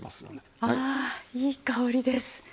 わあいい香りです。